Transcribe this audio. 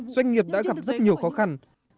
doanh nghiệp đã gặp rất nhiều khó khăn